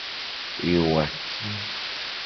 Ewati.